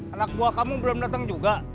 anak buah kamu belum datang juga